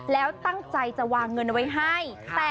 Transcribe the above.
แล้วตั้งใจจะวางเงินไว้ให้